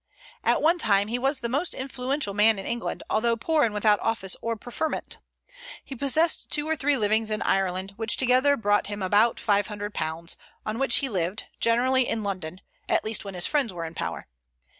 At one time he was the most influential man in England, although poor and without office or preferment. He possessed two or three livings in Ireland, which together brought him about £500, on which he lived, generally in London, at least when his friends were in power.